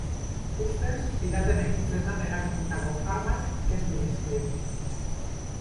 Ustez, piraten ekintzetan erabilitako armak kendu dizkiete.